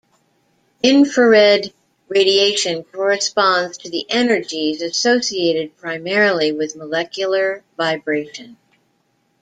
Infrared radiation corresponds to the energies associated primarily with molecular vibration.